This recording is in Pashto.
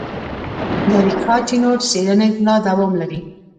د اریکا چینوت څېړنې لا دوام لري.